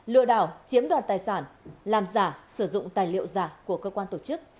lừa đảo chiếm đoạt tài sản làm giả sử dụng tài liệu giả của cơ quan tổ chức